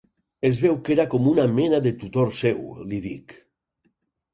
Es veu que era com una mena de tutor seu —li dic—.